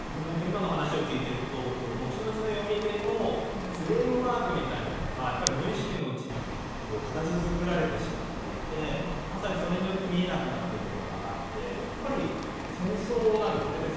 やっぱり今の話を聞いてると後々の読み手のフレームワークみたいなのが無意識のうちに形づくられてしまっていてまさにそれによって見えなくなってるものがあってやっぱり戦争なんですね。